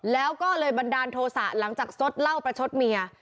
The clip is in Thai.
แล้วก็เลยบันดาลโทษะหลังจากซดเหล้าประชดเมีย